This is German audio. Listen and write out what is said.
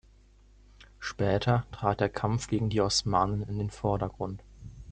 Später trat der Kampf gegen die Osmanen in den Vordergrund.